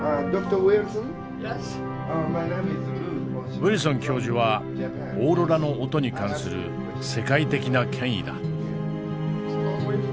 ウィルソン教授はオーロラの音に関する世界的な権威だ。